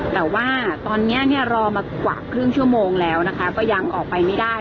แต่ว่าตอนนี้เนี่ยรอมากว่าครึ่งชั่วโมงแล้วนะคะก็ยังออกไปไม่ได้